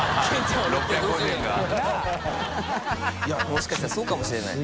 もしかしたらそうかもしれない。